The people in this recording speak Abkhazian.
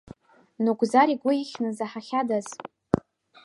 Нугзар игәы ихьны заҳахьадаз.